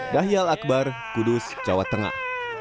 dahial akbar kudus jawa tengah